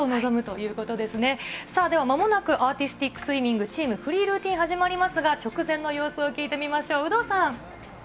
間もなくアーティスティックスイミング、チームフリールーティンが始まりますが、直前の様子を聞いてみます、有働さん。